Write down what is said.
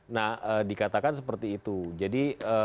nah dikatakan seperti itu jadi